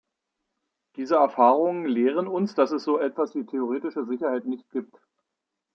Diese Erfahrungen lehren uns, dass es so etwas wie theoretische Sicherheit nicht gibt.